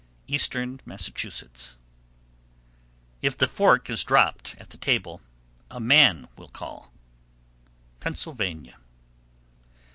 Eastern Massachusetts. 755. If the fork is dropped at the table, a man will call. _Pennsylvania.